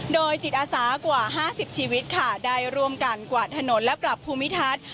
โดยจิตอาสากว่า๕๐ชีวิตค่ะได้ร่วมกันกวาดถนนและปรับภูมิทัศน์